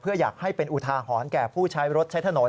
เพื่ออยากให้เป็นอุทาหรณ์แก่ผู้ใช้รถใช้ถนน